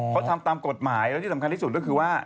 เขาทำตามกฎหมายแล้วที่สำคัญที่สุดก็คือว่า